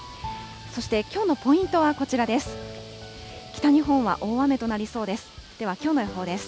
そしてきょうのポイントはこちらです。